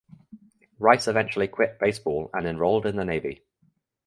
Rice eventually quit baseball and enrolled in the Navy.